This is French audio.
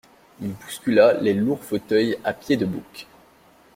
Il bouscula les lourds fauteuils à pieds de bouc.